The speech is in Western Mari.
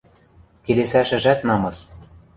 Келесӓшӹжӓт намыс.